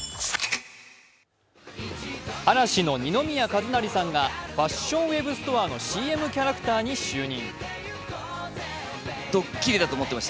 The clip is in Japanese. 嵐の二宮和也さんがファッションストアのウェブストアのＣＭキャラクターに就任。